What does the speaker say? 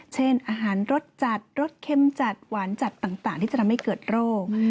อาหารรสจัดรสเข้มจัดหวานจัดต่างที่จะทำให้เกิดโรค